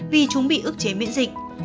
vì chúng bị ức chế miễn dịch